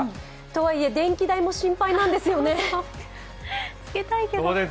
とはいえ電気代も心配なんですよね、つけたいけど。